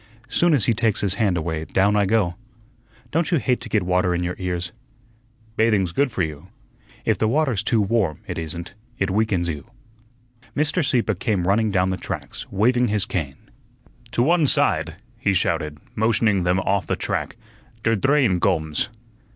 Soon as he takes his hand away, down I go. Don't you hate to get water in your ears?" "Bathing's good for you." "If the water's too warm, it isn't. It weakens you." Mr. Sieppe came running down the tracks, waving his cane. "To one side," he shouted, motioning them off the track; "der drain gomes."